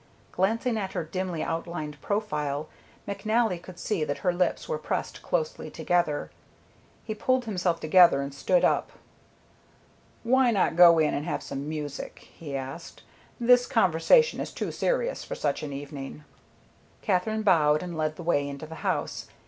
Glancing at her dimly outlined profile, McNally could see that her lips were pressed closely together. He pulled himself together and stood up. "Why not go in and have some music?" he asked. "This conversation is too serious for such an evening." Katherine bowed and led the way into the house.